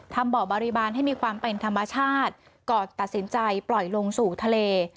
บ่อบริบาลให้มีความเป็นธรรมชาติก่อนตัดสินใจปล่อยลงสู่ทะเล